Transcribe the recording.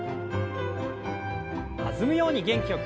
弾むように元気よく。